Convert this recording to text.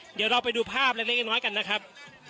เดี๋ยวเราไปดูภาพเล็กน้อยกันนะครับ